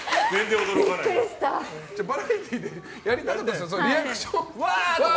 バラエティーでやりたかったんですか？